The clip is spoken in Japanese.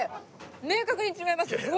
明確に違います。